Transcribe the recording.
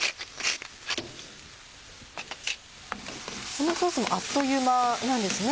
このソースもあっという間なんですね。